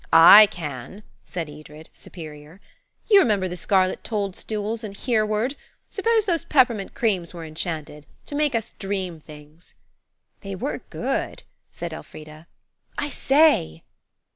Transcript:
"I can," said Edred, superior. "You remember the scarlet toadstools in 'Hereward.' Suppose those peppermint creams were enchanted–to make us dream things." "They were good," said Elfrida. "I say!"